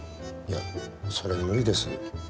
いやそれ無理です。